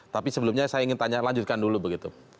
tapi sebelumnya saya ingin tanya lanjutkan dulu begitu